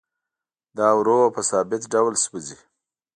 دا ورو او په ثابت ډول سوځي